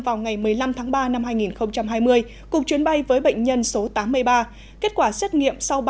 vào ngày một mươi năm tháng ba năm hai nghìn hai mươi cùng chuyến bay với bệnh nhân số tám mươi ba kết quả xét nghiệm sau